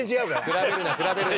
比べるな比べるな。